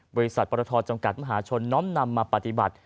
บริษัทปรทจำกัดมหาชนน้อมนำมาปฏิบัติ